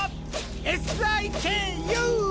ＳＩＫＵ！